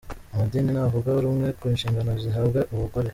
Amadini ntavuga rumwe ku nshingano zihabwa abagore.